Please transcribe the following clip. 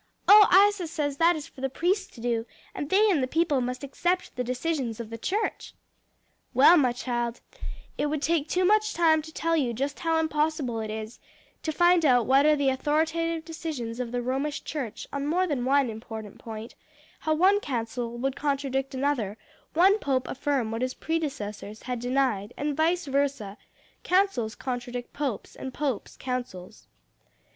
"Oh, Isa says that is for the priests to do; and they and the people must accept the decisions of the church." "Well, my child, it would take too much time to tell you just how impossible it is to find out what are the authoritative decisions of the Romish Church on more than one important point; how one council would contradict another one pope affirm what his predecessors had denied, and vice versa; councils contradict popes, and popes councils.